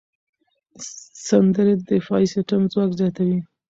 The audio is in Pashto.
سندرې د دفاعي سیستم ځواک زیاتوي.